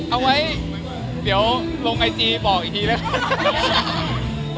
เอาไว้เดี๋ยวลงไอจีบอกอีกทีแล้ว